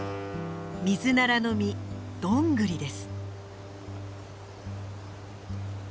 ミズナラの実ドングリです。